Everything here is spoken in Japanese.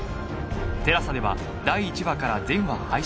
ＴＥＬＡＳＡ では第１話から全話配信中